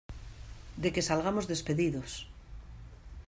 de que salgamos despedidos.